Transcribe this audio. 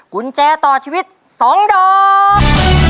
กุญแจต่อชีวิต๒ดอก